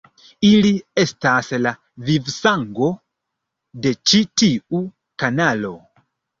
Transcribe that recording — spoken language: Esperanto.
Ili estas la vivsango de ĉi tiu kanalo.